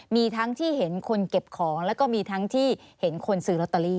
มีทั้งที่เห็นคนเก็บของแล้วก็มีทั้งที่เห็นคนซื้อลอตเตอรี่